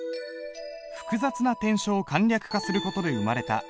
複雑な篆書を簡略化する事で生まれた隷書。